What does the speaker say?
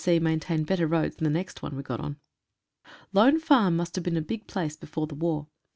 C.C. maintain better roads than the next one we got on. Lone Farm must have been a big place before tile war.